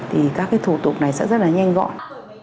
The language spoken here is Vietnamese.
thì các cái thủ tục này sẽ rất là nhanh gọn